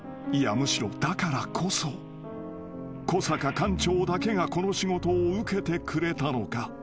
むしろだからこそ小阪館長だけがこの仕事を受けてくれたのか？］